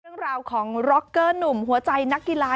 เรื่องราวของร็อกเกอร์หนุ่มหัวใจนักกีฬา